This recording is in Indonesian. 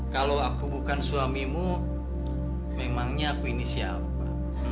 kalau aku bukan suamimu memangnya aku ini siapa